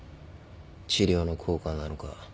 治療の効果なのか。